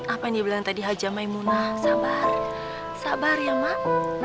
apa yang dia bilang tadi haja emak imunah sabar sabar ya mak